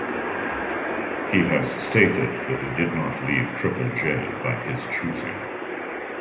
He has stated that he did not leave Triple J by his choosing.